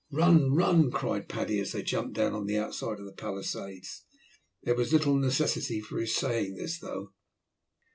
"Run, run!" cried Paddy, as they jumped down on the outside of the palisades. There was little necessity for his saying this though.